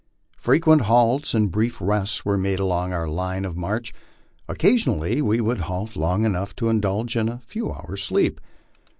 Frequent halts and brief rests were made along our line of march ; occasionally we would halt long enough to indulge in a few hour's sleep.